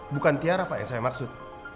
bukan tiara pak yang saya maksud